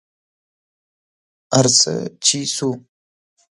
ارڅه چې څو